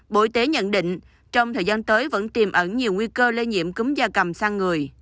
bộ y tế nhận định trong thời gian tới vẫn tìm ẩn nhiều nguy cơ lây nhiễm cúng gia cầm sang người